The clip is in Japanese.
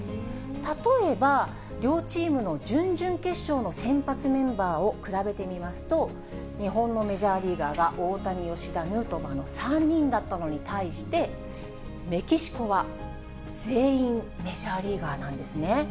例えば、両チームの準々決勝の先発メンバーを比べてみますと、日本のメジャーリーガーが大谷、吉田、ヌートバーの３人だったのに対して、メキシコは全員、メジャーリーガーなんですね。